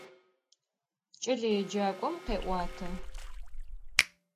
Ç'eleêcak'om khê'uate.